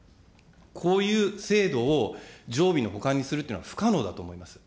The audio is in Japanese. こういう制度を常備のにするというのは、不可能だと思います。